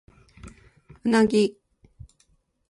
うなぎ